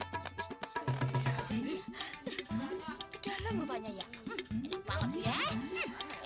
dalem rupanya ya